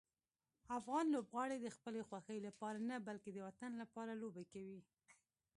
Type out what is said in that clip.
افغان لوبغاړي د خپلې خوښۍ لپاره نه، بلکې د وطن لپاره لوبه کوي.